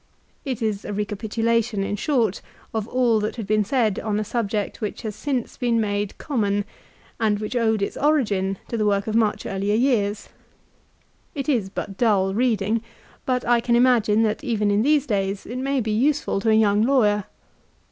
It is a recapitulation, in short, of all that had been said on a subject which has since been made common, and which owed its origin to the work of much earlier years It is but dull reading, but I can imagine that even in these days it may be useful to a young lawyer.